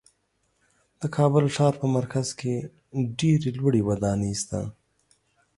د کابل ښار په مرکز کې ډېرې لوړې ودانۍ شته.